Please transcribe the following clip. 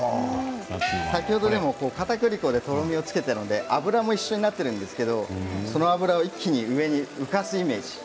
先ほど、かたくり粉でとろみをつけているので油も一緒になっているんですけどその油を一気に上に浮かすイメージ。